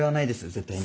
絶対に。